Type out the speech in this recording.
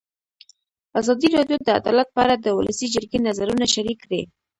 ازادي راډیو د عدالت په اړه د ولسي جرګې نظرونه شریک کړي.